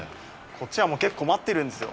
こっちはもう結構待ってるんですよ。